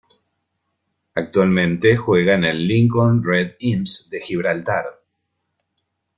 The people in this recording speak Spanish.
Actualmente juega en el Lincoln Red Imps de Gibraltar.